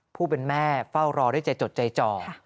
ผู้เป็นแม่เฝ้ารอด้วยใจจดใจจ่อ